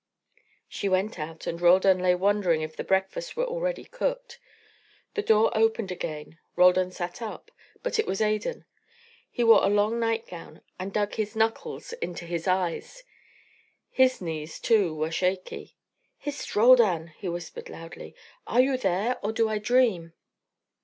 She went out, and Roldan lay wondering if the breakfast were already cooked. The door opened again. Roldan sat up. But it was Adan. He wore a long nightgown and dug his knuckles into his eyes. His knees, too, were shaky. "Hist, Roldan," he whispered loudly. "Are you there, or do I dream?"